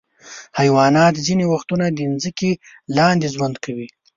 حیوانات ځینې وختونه د ځمکې لاندې ژوند کوي.